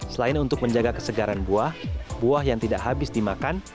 selain untuk menjaga kesegaran buah buah yang tidak habis dimakan